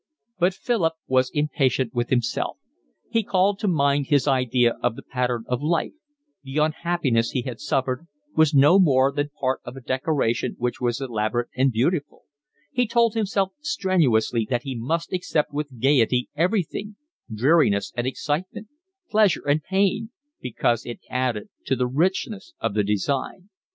But Philip was impatient with himself; he called to mind his idea of the pattern of life: the unhappiness he had suffered was no more than part of a decoration which was elaborate and beautiful; he told himself strenuously that he must accept with gaiety everything, dreariness and excitement, pleasure and pain, because it added to the richness of the design.